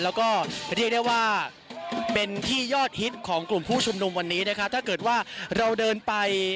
แล้วก็เรียกได้ว่าเป็นที่ยอดฮิตของกลุ่มผู้ชุมนุมวันนี้นะครับถ้าเกิดว่าเราเดินไป